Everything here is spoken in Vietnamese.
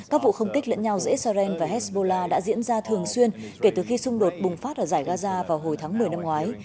các vụ không kích lẫn nhau giữa israel và hezbollah đã diễn ra thường xuyên kể từ khi xung đột bùng phát ở giải gaza vào hồi tháng một mươi năm ngoái